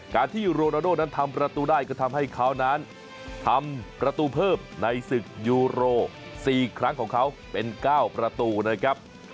การที่โรนาโดนั้นทำประตูได้ก็ทำให้เขานั้นทำประตูเพิ่มในศึกยูโร๔ครั้งของเขาเป็น๙ประตูนะครับ